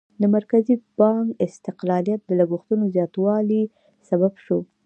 د مرکزي بانک استقلالیت د لګښتونو زیاتوالي سبب شو.